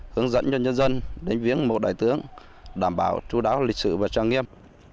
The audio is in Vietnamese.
hướng dẫn cho nhân dân đến viếng mộ đại tướng đảm bảo chú đáo lịch sử và trang nghiêm